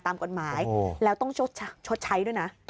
ตามกฎหมายแล้วต้องชดใช้ด้วยนะ